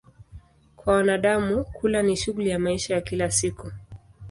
Kwa wanadamu, kula ni shughuli ya maisha ya kila siku.